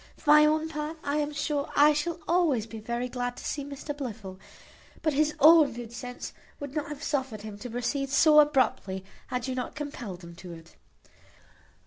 For my own part, I am sure I shall always be very glad to see Mr Blifil; but his own good sense would not have suffered him to proceed so abruptly, had you not compelled him to it."